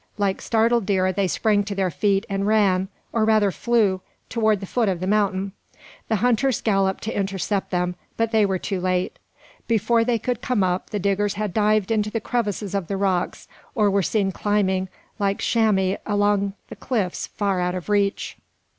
Like startled deer they sprang to their feet, and ran, or rather flew, toward the foot of the mountain. The hunters galloped to intercept them, but they were too late. Before they could come up, the Diggers had dived into the crevices of the rocks, or were seen climbing like chamois along the cliffs, far out of reach.